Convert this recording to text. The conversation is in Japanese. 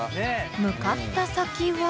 向かった先は。